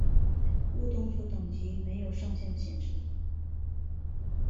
误动作等级没有上限的限制。